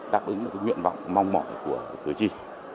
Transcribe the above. đáp ứng được cái nguyện vọng mong mỏi của cử tri